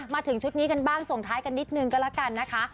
มาถึงชุดนี้ส่งท้ายกันนิดนึงก็ละกันนะคะ